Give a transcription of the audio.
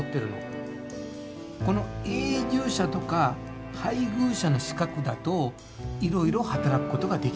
この「永住者」とか「配偶者」の資格だといろいろ働くことができる。